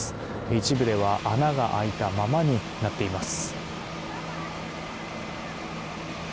一部では穴が開いたままになっています。